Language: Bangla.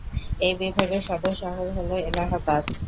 এই বিভাগের সদর শহর হল এলাহাবাদ।